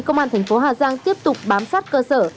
công an thành phố hà giang tiếp tục bám sát cơ sở